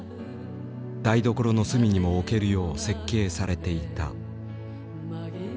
台所の隅にも置けるよう設計されていた。